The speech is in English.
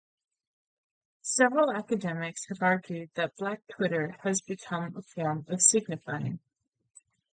Several academics have argued that Black Twitter has become a form of signifyin'.